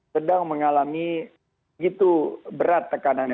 sedang mengalami begitu berat tekanannya